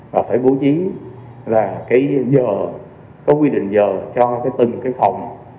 và phải bố trí là cái giờ có quy định giờ cho cái từng cái phòng